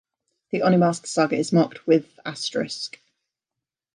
"The Oni Masks" saga is marked with asterisk.